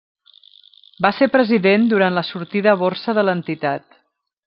Va ser president durant la sortida a borsa de l'entitat.